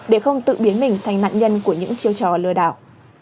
để không tự biến mình thành nạn nhân của những chiêu trò lừa đảo